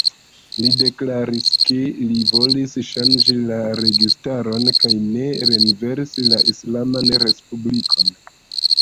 Li deklaris, ke li volis ŝanĝi la registaron, kaj ne renversi la islaman respublikon.